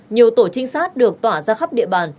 nhiều tổ trinh sát được tỏa ra khắp địa bàn